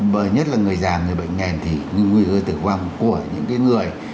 bởi nhất là người già người bệnh nền thì nguy hư tử vong của những cái người